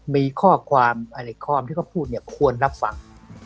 มีข้อความที่เค้าพูดเนี่ยควรรับฟัง